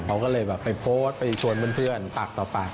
เขาก็เลยแบบไปโพสต์ไปชวนเพื่อนปากต่อปาก